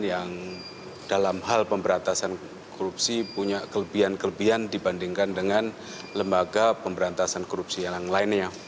yang dalam hal pemberantasan korupsi punya kelebihan kelebihan dibandingkan dengan lembaga pemberantasan korupsi yang lainnya